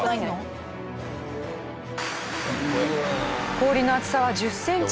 氷の厚さは１０センチ。